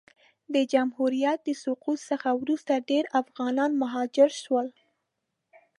د جمهوریت د سقوط څخه وروسته ډېری افغانان مهاجر سول.